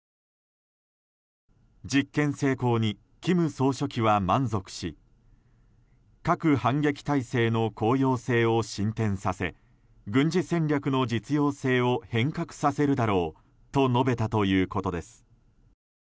実験成功に金総書記は満足し核反撃態勢の効用性を進展させ軍事戦略の実用性を変革させるだろうと述べたということです。